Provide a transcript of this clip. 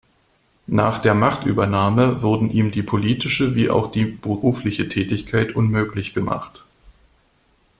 Nach der Machtübernahme wurden ihm die politische wie auch berufliche Tätigkeit unmöglich gemacht.